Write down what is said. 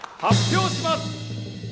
発表します！